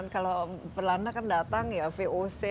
kalau belanda kan datang ya voc